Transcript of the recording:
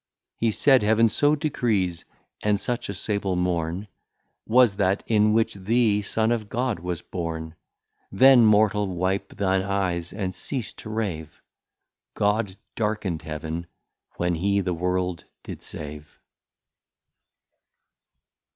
He said, Heaven so decrees: and such a Sable Morne Was that, in which the Son of God was borne. Then Mortal wipe thine Eyes, and cease to rave, God darkn'd Heaven, when He the World did save.